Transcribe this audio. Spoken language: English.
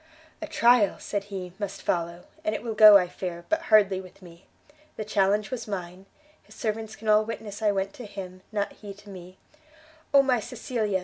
"A trial," said he, "must follow, and it will go, I fear, but hardly with me! the challenge was mine; his servants can all witness I went to him, not he to me, Oh my Cecilia!